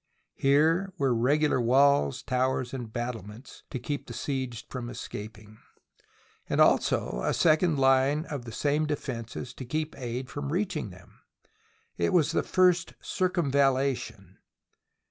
Here were regular walls, towers, and battle ments, to keep the besieged from escaping, and also a second line of the same defences to keep aid from reaching them. It was the first " circumvallation."